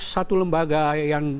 satu lembaga yang